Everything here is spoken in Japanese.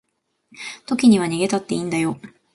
時には逃げたっていいんだよ